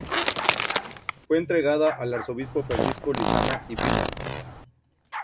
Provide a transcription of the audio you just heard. Fue entregada al Arzobispo Francisco Lizana y Beaumont.